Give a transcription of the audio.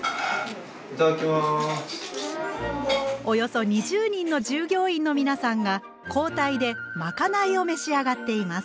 およそ２０人の従業員の皆さんが交代でまかないを召し上がっています。